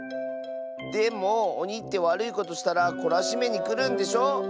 でもおにってわるいことしたらこらしめにくるんでしょ？